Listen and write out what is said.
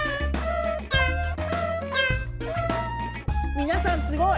みなさんすごい！